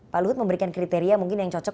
pak luhut memberikan kriteria mungkin yang cocok